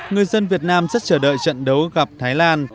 người dân việt nam rất chờ đợi trận đấu gặp thái lan